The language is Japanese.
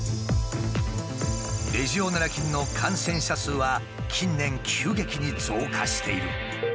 レジオネラ菌の感染者数は近年急激に増加している。